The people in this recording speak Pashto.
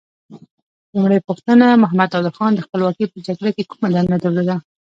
لومړۍ پوښتنه: محمد نادر خان د خپلواکۍ په جګړه کې کومه دنده درلوده؟